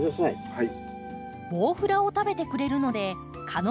はい！